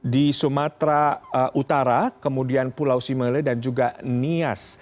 di sumatera utara kemudian pulau simele dan juga nias